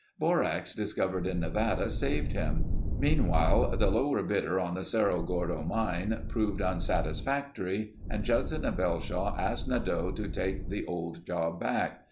Borax discovered in Nevada saved him. Meanwhile the lower bidder on the Cerro Gordo job proved unsatisfactory and Judson and Belshaw asked Nadeau to take the old job back.